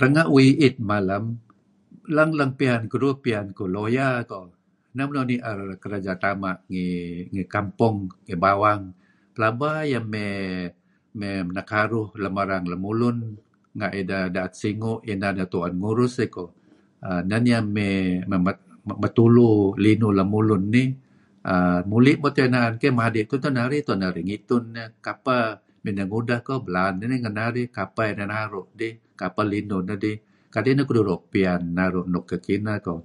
Renga' uih iit mlem lang-lang piyan keduih piyan kuh lawyer koh. Neh man uih nir kerka Tama' ngi kampong ngi bawang. Pelaba iyeh emey nekaruh lem erang lemulun renga; ideh daet singu' renga' inan nuk tuen ngurus iih koh. Neh nieh may metulu linuh lemulun iih uhm Muli' beto' iyeh naen keh madi' tuh teh narih tuen narih ngitun kapeh, miney ngudeh, belaan nah kapeh linuh neh ngidih. Kdi' neh keduih doo' piyan naru' nuk kineh-kineh koh.